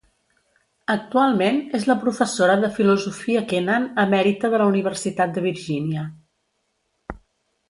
Actualment és la professora de filosofia Kenan emèrita de la Universitat de Virgínia.